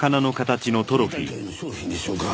釣り大会の賞品でしょうか。